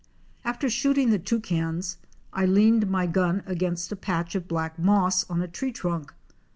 After shooting the Toucans I leaned my gun against a patch of black moss on a tree trunk.